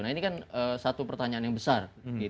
nah ini kan satu pertanyaan yang besar